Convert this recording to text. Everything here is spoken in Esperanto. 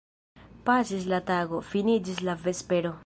Pasis la tago, finiĝis la vespero.